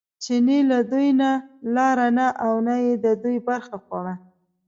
چیني له دوی نه لاره نه او نه یې د دوی برخه خوړه.